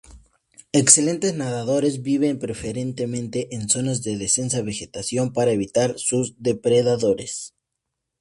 Excelentes nadadores, viven preferentemente en zonas de densa vegetación, para evitar a sus depredadores.